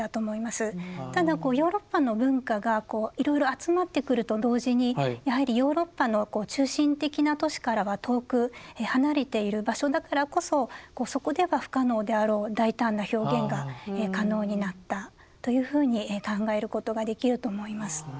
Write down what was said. ただヨーロッパの文化がいろいろ集まってくると同時にやはりヨーロッパの中心的な都市からは遠く離れている場所だからこそそこでは不可能であろう大胆な表現が可能になったというふうに考えることができると思います。